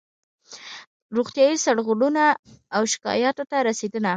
روغتیایي سرغړونو او شکایاتونو ته رسېدنه